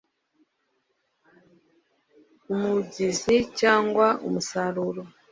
Umubyizi cyangwa umusaruro